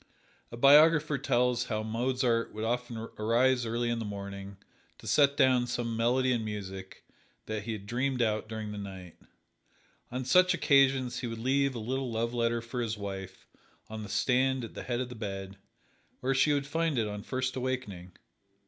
A biographer tells how Mozart would often arise early in the morning to set down some melody in music that he had dreamed out during the night. On such occasions he would leave a little love letter for his wife on the stand at the head of the bed, where she would find it on first awakening.